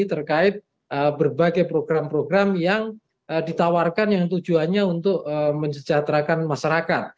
terkait berbagai program program yang ditawarkan yang tujuannya untuk mensejahterakan masyarakat